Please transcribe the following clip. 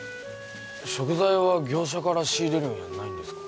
食材は業者から仕入れるんやないんですか？